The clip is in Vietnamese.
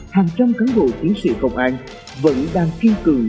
hàng trăm cán bộ chiến sĩ công an vẫn đang kinh cựu